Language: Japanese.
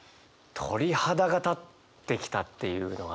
「鳥肌が立ってきた」っていうのがね